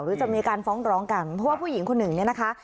หรือจะมีการฟ้องร้องกันเพราะว่าผู้หญิงคนหนึ่งเนี่ยนะคะ